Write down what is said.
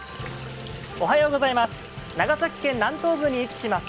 長崎県南東部に位置します